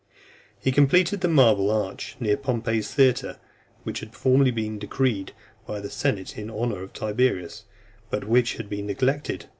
He completed the marble arch near Pompey's theatre, which had formerly been decreed by the senate in honour of Tiberius, but which had been neglected .